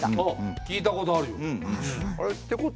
あ聞いたことあるよ。